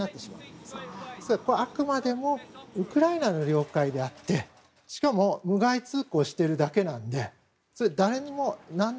ですから、あくまでもこれはウクライナの領海であってしかも無害通航しているだけなのでそれは誰にも何の。